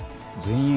全員？